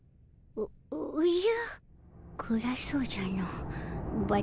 おおじゃ。